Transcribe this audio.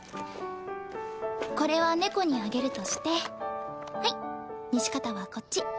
これは猫にあげるとしてはい西片はこっち。